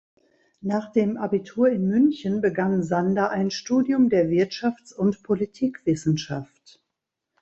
Nach dem Abitur in München begann Sander ein Studium der Wirtschafts- und Politikwissenschaft.